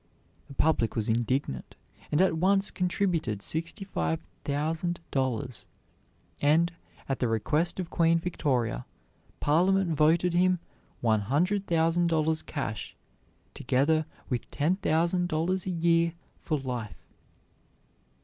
The public was indignant, and at once contributed sixty five thousand dollars; and, at the request of Queen Victoria, Parliament voted him one hundred thousand dollars cash, together with ten thousand dollars a year for life.